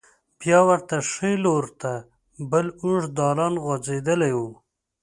بیا ورته ښې لور ته بل اوږد دالان غوځېدلی و.